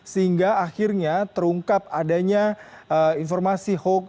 sehingga akhirnya terungkap adanya informasi hoax